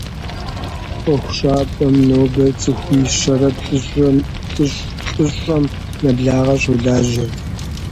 Ӏуэхущӏапӏэм нобэ цӏыхуи щэрэ плӏыщӏэм нэблагъэ щолажьэ, къудамэ пщыкӏубгъу иӏэщ.